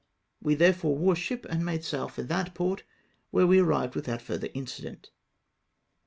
We therefore wore sliip and made sail for that port, where we arrived without further incident.